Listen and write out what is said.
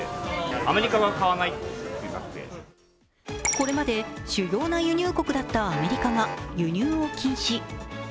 これまで主要な輸入国だったアメリカが輸入を禁止。